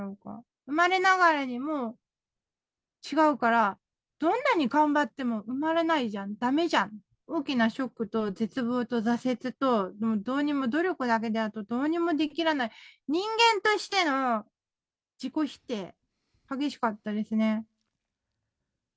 生まれながらにもう違うから、どんなに頑張っても埋まらないじゃん、だめじゃん、大きなショックと、絶望と挫折と、もうどうにも、努力だけではどうにもできない、人間としての自己否定、激しかったですね。